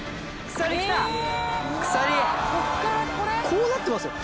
こうなってますよ！